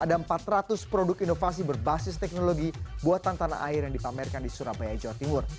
ada empat ratus produk inovasi berbasis teknologi buatan tanah air yang dipamerkan di surabaya jawa timur